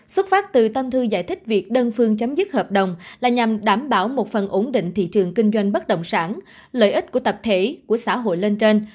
xuất phát từ tâm thư giải thích việc đơn phương chấm dứt hợp đồng là nhằm đảm bảo một phần ổn định thị trường kinh doanh bất động sản lợi ích của tập thể của xã hội lên trên